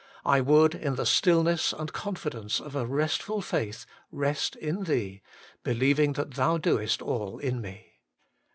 I would, in the stillness and con fidence of a restful faith, rest in Thee, believing that Thou doest all in me.